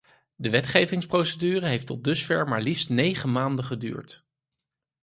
De wetgevingsprocedure heeft tot dusver maar liefst negen maanden geduurd.